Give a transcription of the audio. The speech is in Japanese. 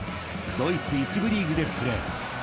ドイツ１部リーグでプレー］